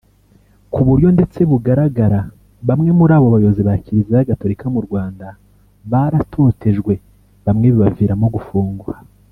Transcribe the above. Kuburyo ndetse bugaragara bamwe muri abo bayobozi ba Kiliziya Gatolika mu Rwanda baratotejwe bamwe bibaviramo gufungwa